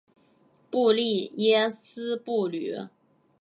布利耶斯布吕。